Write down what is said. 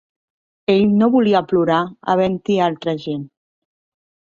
Ell no volia plorar havent-hi altra gent.